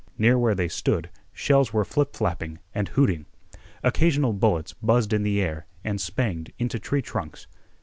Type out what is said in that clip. Near where they stood shells were flip flapping and hooting. Occasional bullets buzzed in the air and spanged into tree trunks.